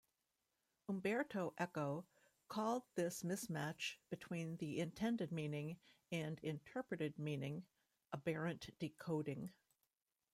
Umberto Eco called this mismatch between the intended meaning and interpreted meaning aberrant decoding.